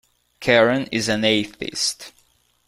Karen is an atheist.